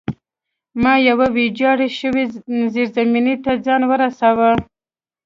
ما یوې ویجاړې شوې زیرزمینۍ ته ځان ورساوه